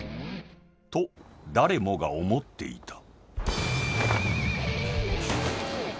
［と誰もが思っていた］